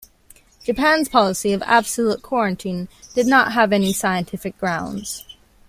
Japan's policy of absolute quarantine... did not have any scientific grounds.